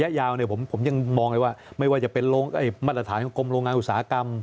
ยาวผมยังมองเลยว่าไม่ว่าจะเป็นมาตรฐานของกรมโรงงานอุตสาหกรรม